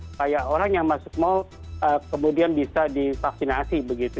supaya orang yang masuk mal kemudian bisa divaksinasi begitu